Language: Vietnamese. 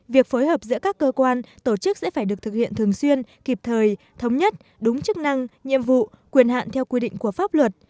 việc phối hợp giữa các cơ quan tổ chức sẽ phải được thực hiện thường xuyên kịp thời thống nhất đúng chức năng nhiệm vụ quyền hạn theo quy định của pháp luật